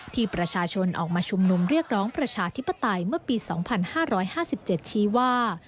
ที่ประชาชนออกมาชุมนุมเรียกร้องประชาธิปไตยเมื่อปี๒๕๕๗ชี้ว่า